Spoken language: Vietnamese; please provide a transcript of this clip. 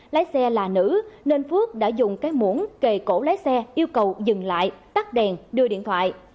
lái xe là nữ nên phước đã dùng cái mũn kề cổ lái xe yêu cầu dừng lại tắt đèn đưa điện thoại